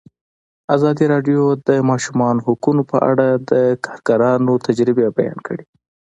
ازادي راډیو د د ماشومانو حقونه په اړه د کارګرانو تجربې بیان کړي.